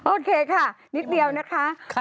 โอเคค่ะนิดเดียวนะคะ